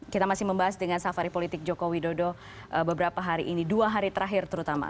kita masih membahas dengan safari politik joko widodo beberapa hari ini dua hari terakhir terutama